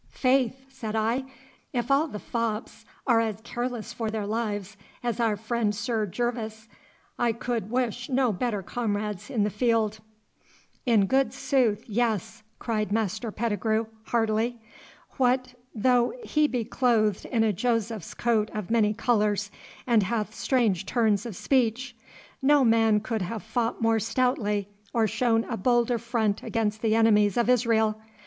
'Faith!' said I, 'if all the fops are as careless for their lives as our friend Sir Gervas, I could wish no better comrades in the field.' 'In good sooth, yes!' cried Master Pettigrue heartily. 'What though he be clothed in a Joseph's coat of many colours, and hath strange turns of speech! No man could have fought more stoutly or shown a bolder front against the enemies of Israel.